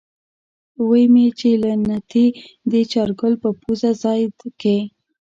وی مې چې له نتې دې چارګل پۀ پوزه ځای که۔